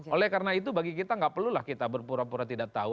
oleh karena itu bagi kita gak perlu lah kita berpura pura tidak tahu